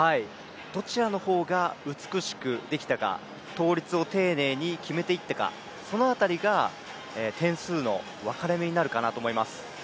どちらの方が美しくできたか倒立を丁寧に決めていったかその辺りが点数の分かれ目になるかなと思います。